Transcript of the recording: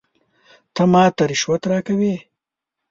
ته ماته رشوت راکوې ؟